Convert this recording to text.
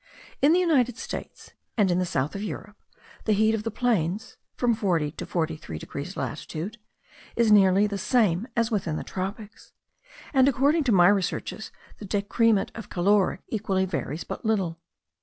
In the United States, and in the south of Europe, the heat of the plains (from 40 to 43 degrees latitude) is nearly the same as within the tropics; and according to my researches the decrement of caloric equally varies but little.